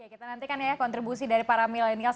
kita nantikan ya kontribusi dari para milenial